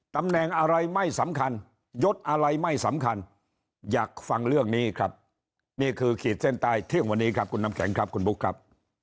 ตำแหน่งอะไรไม่สำคัญยดอะไรไม่สำคัญอยากฟังเรื่องนี้ครับนี่คือขีดเส้นใต้เที่ยงวันนี้ครับคุณน้ำแข็งครับคุณบุ๊คครับ